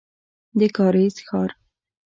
د کارېز ښار.